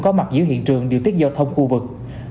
có mặt giữa hiện trường điều tiết giao thông khu vực